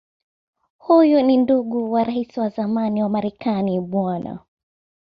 Huyu ni ndugu wa Rais wa zamani wa Marekani Bw.